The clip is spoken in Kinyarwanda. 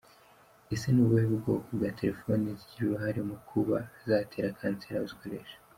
Ese ni ubuhe bwoko bwa telephone zigira uruhare mu kuba zatera kanseri abazikoresha?.